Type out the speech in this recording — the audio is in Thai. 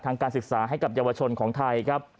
การศึกษาให้กับเยาวชนของไทยครับ